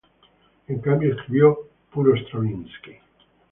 En cambio, ""escribió puro Stravinsky"".